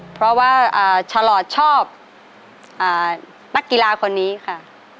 เพราะว่าฉลอดชอบนักกีฬาคนนี้ค่ะ